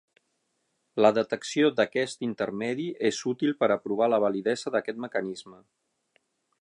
La detecció d'aquest intermedi és útil per a provar la validesa d'aquest mecanisme.